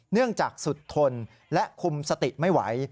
เนื่องจากสุดทนและคุมสติไม่ไหว